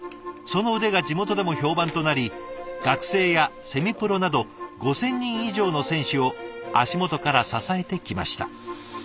その腕が地元でも評判となり学生やセミプロなど５，０００人以上の選手を足元から支えてきました。